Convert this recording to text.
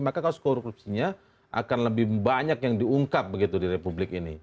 maka kasus korupsinya akan lebih banyak yang diungkap begitu di republik ini